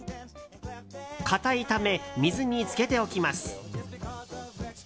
硬いため、水に浸けておきます。